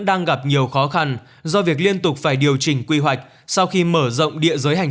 đang gặp nhiều khó khăn do việc liên tục phải điều chỉnh quy hoạch sau khi mở rộng địa giới hành